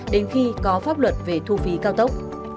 đến khi có pháp luật về thu phí cao tốc